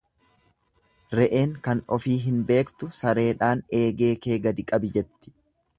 Re'een kan ofii hin beektu sareedhaan eegee kee gadi qabi jetti.